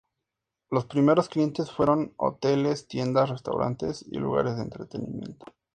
Los primeros clientes fueron hoteles, tiendas, restaurantes y lugares de entretenimiento.